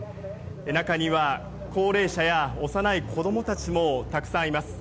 中には、高齢者や幼い子供たちもたくさんいます。